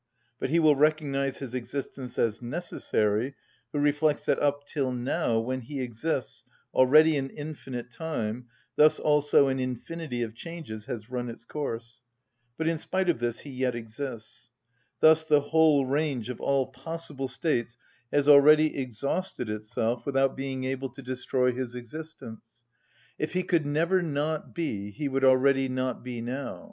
But he will recognise his existence as necessary who reflects that up till now, when he exists, already an infinite time, thus also an infinity of changes, has run its course, but in spite of this he yet exists; thus the Whole range of all possible states has already exhausted itself without being able to destroy his existence. _If he could ever not be, he would already not be now.